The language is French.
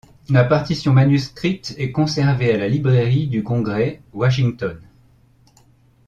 La partition manuscrite est conservée à la Librairie du Congrès, Washington.